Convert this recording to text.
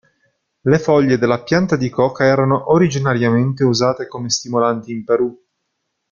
Le foglie della Pianta di coca erano originariamente usate come stimolanti in Perù.